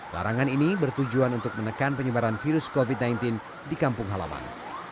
larangan ini bertujuan untuk menekan penyebaran virus covid sembilan belas di kampung halaman